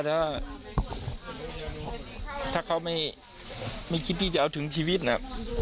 แล้วถ้าเขาไม่คิดที่จะเอาถึงชีวิตน่ะ